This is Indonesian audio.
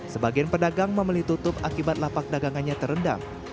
sebagian pedagang memilih tutup akibat lapak dagangannya terendam